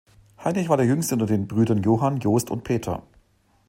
Heinrich war der jüngste unter den Brüdern Johann, Jost und Peter.